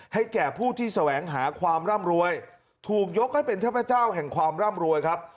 แก่ผู้ที่แสวงหาความร่ำรวยถูกยกให้เป็นเทพเจ้าแห่งความร่ำรวยครับ